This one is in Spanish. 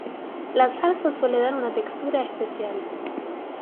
La salsa suele dar una textura especial.